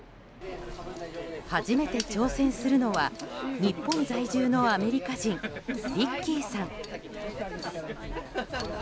初めて挑戦するのは日本在住のアメリカ人リッキーさん。